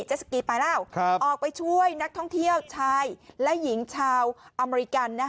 สกีไปแล้วออกไปช่วยนักท่องเที่ยวชายและหญิงชาวอเมริกัน